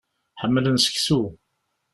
Ḥemmlen seksu.